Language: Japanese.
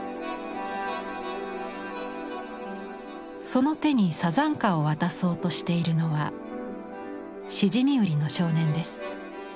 その手にさざんかを渡そうとしているのはシジミ売りの少年です。